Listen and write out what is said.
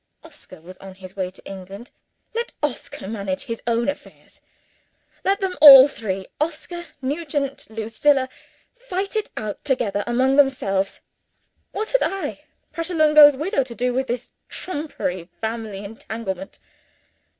Oscar was on his way to England let Oscar manage his own affairs; let them all three (Oscar, Nugent, Lucilla) fight it out together among themselves. What had I, Pratolungo's widow, to do with this trumpery family entanglement?